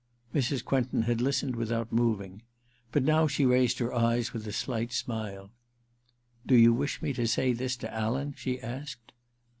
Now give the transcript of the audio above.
Mrs. Quentin had listened without moving ; but now she raised her eyes with a slight smile. * Do you wish me to say this to Alan ?' she asked.